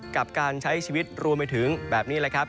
กับการใช้ชีวิตรวมไปถึงแบบนี้แหละครับ